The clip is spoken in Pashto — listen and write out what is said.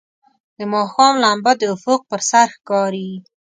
د ماښام لمبه د افق پر سر ښکاري.